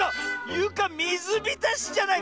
ゆかみずびたしじゃない！